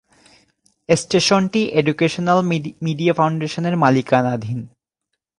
স্টেশনটি educational media ফাউন্ডেশনের মালিকানাধীন।